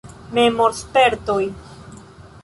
Memorspertoj.